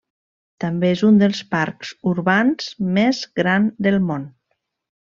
També és un dels parcs urbans més gran del món.